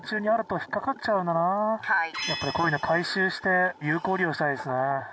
やっぱりこういうの回収して有効利用したいですね。